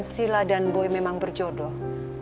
sila dan boy memang berjodoh